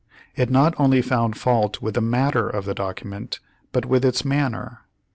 It not only found fault with the matter of the document, but with its manner.